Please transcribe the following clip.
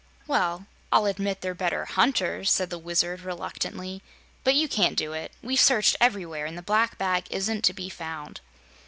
"Well, I'll admit they're better HUNTERS," said the Wizard, reluctantly, "but you can't do it. We've searched everywhere, and the black bag isn't to be found."